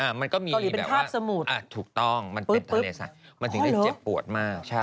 อ่ามันก็มีแบบว่าถูกต้องมันเต็มทะเลมันถึงได้เจ็บปวดมากใช่